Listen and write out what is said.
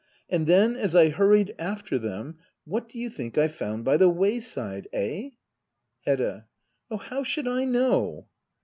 And then, as I hurried after them — what do you think I found by the wayside } Eh ? Hedda. Oh, how should I know